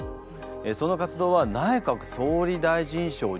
その活動は内閣総理大臣賞を受賞。